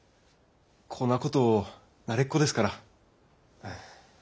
こんなこと慣れっこですから。